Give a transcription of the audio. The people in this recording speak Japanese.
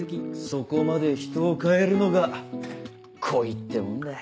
そこまで人を変えるのが恋ってもんだ。